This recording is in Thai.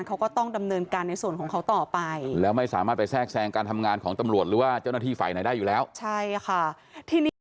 กรรมธิการทำตามและตามนักงานหนูตามกฎหมายนะครับ